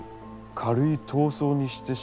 軽い痘瘡にしてしまう。